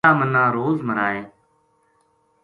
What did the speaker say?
یاہ منا روز مرائے